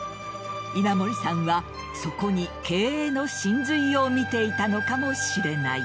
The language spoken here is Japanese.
稲盛さんはそこに経営の神髄を見ていたのかもしれない。